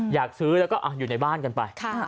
อยากซื้อแล้วก็อยู่ในบ้านกันไป